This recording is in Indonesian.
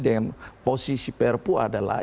dengan posisi prpu adalah